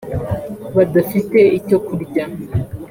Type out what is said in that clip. badafite icyo kurya